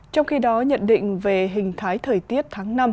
trong khi đó nhận định về hình thái thời tiết tháng năm